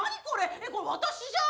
えっこれ私じゃん！